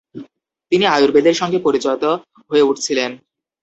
তিনি আয়ুর্বেদের সঙ্গে পরিচিত হয়ে উঠছিলেন।